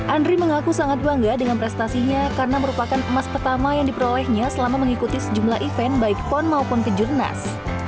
andri mengaku sangat bangga dengan prestasinya karena merupakan emas pertama yang diperolehnya selama mengikuti sejumlah event baik pon maupun kejurnas